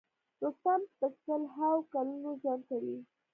رستم په سل هاوو کلونه ژوند کوي.